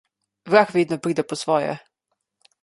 Vrag vedno pride po svoje.